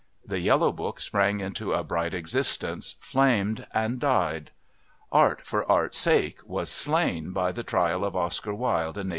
The Yellow Book sprang into a bright existence, flamed, and died. "Art for Art's sake" was slain by the trial of Oscar Wilde in 1895.